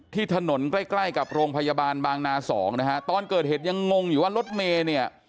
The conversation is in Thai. ที่ถนนใกล้ใกล้กับโรงพยาบาลบางนาสองนะฮะตอนเกิดเหตุยังงงอยู่ว่ารถเมย์เนี่ย